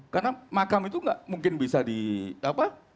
karena makam itu gak mungkin bisa di apa